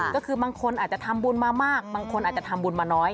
ก็คือบางคนอาจจะทำบุญมามากบางคนอาจจะทำบุญมาน้อย